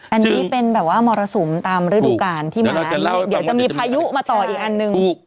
อันนี้เป็นแบบว่ามรสุมตามฤดูกาลที่มาเดี๋ยวจะมีพายุมาต่ออีกอันหนึ่ง